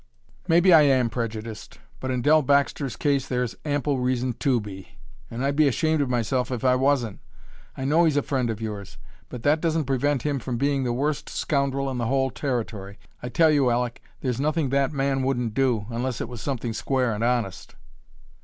"Maybe I am prejudiced; but in Dell Baxter's case there's ample reason to be, and I'd be ashamed of myself if I wasn't. I know he's a friend of yours, but that doesn't prevent him from being the worst scoundrel in the whole Territory. I tell you, Aleck, there's nothing that man wouldn't do, unless it was something square and honest."